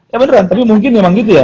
ya beneran tapi mungkin memang gitu ya